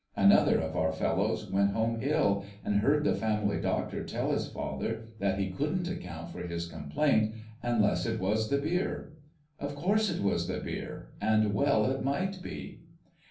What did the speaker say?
Another of our fellows went home ill, and heard the family doctor tell his father that he couldn't account for his complaint unless it was the beer. Of course it was the beer, and well it might be